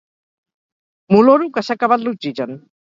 M'oloro que s'ha acabat l'oxigen.